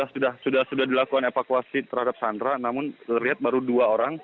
sudah sudah dilakukan evakuasi terhadap sandra namun terlihat baru dua orang